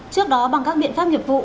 trước đó bằng các biện pháp nghiệp vụ